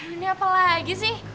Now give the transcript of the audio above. ini apa lagi sih